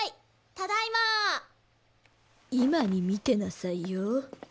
今に見てなさいよ。